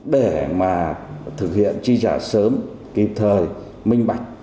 để mà thực hiện chi trả sớm kịp thời minh bạch